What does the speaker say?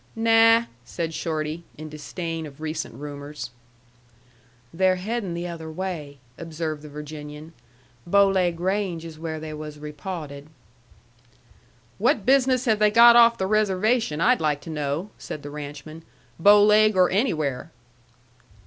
"Na a!" said Shorty, in disdain of recent rumors. "They're headin' the other way," observed the Virginian. "Bow Laig Range is where they was repawted." "What business have they got off the reservation, I'd like to know," said the ranchman, "Bow Leg, or anywhere?"